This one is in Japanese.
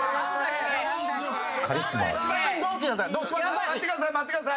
待ってください待ってください。